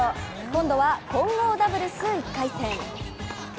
今度は混合ダブルス１回戦。